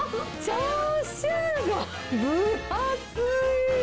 チャーシューが分厚い。